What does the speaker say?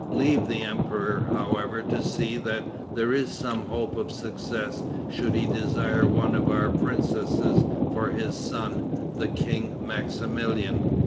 Leave the emperor, however, to see that there is some hope of success should he desire one of our princesses for his son, the King Maximilian."